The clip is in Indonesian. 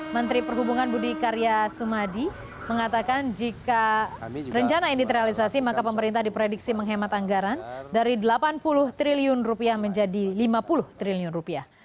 menteri perhubungan budi karya sumadi mengatakan jika rencana ini terrealisasi maka pemerintah diprediksi menghemat anggaran dari delapan puluh triliun rupiah menjadi lima puluh triliun rupiah